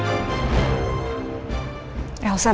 bukan hidup mbak andi itu sengsara